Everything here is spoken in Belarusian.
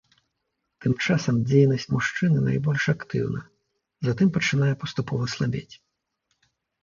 Тым часам дзейнасць мужчыны найбольш актыўна, затым пачынае паступова слабець.